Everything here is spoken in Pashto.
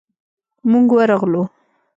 موږ ورغلو.